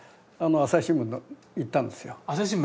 朝日新聞行ったんですか？